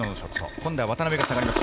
今度は渡辺が下がります。